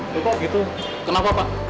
gitu kenapa pak